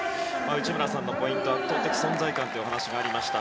内村さんのポイント圧倒的存在感という話もありました。